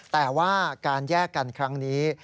แต่ว่าการแยกกันครั้งนี้